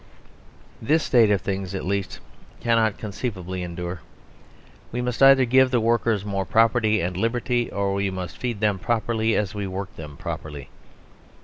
This state of things at least cannot conceivably endure. We must either give the workers more property and liberty, or we must feed them properly as we work them properly.